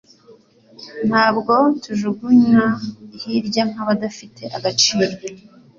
ntabwo tujugunywa hirya nk'abadafite agaciro.